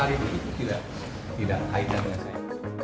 tidak tidak kaitan dengan saya